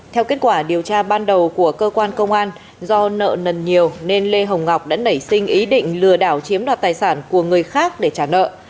theo kết quả điều tra ban đầu của cơ quan công an do nợ nần nhiều nên lê hồng ngọc đã nảy sinh ý định lừa đảo chiếm đoạt tài sản của người khác để trả nợ